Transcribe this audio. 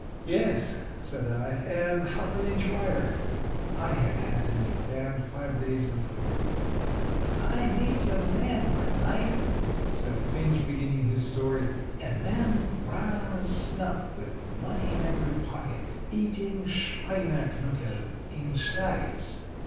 "Yes," said I, "and half an inch wider." I had had a new band five days before. "I meets a man one night," said Finch, beginning his story "a man brown as snuff, with money in every pocket, eating schweinerknuckel in Schlagel's.